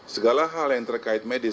segala hal yang terkait medis